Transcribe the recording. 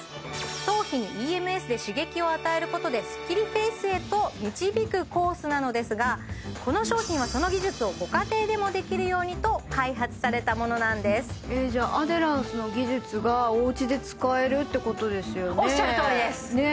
頭皮にＥＭＳで刺激を与えることでスッキリフェイスへと導くコースなのですがこの商品はその技術をご家庭でもできるようにと開発されたものなんですえじゃあおっしゃるとおりですねえ